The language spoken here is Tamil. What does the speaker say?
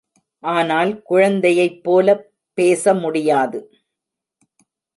ஆனால் குழந்தையைப் போலப் பேச முடியாது.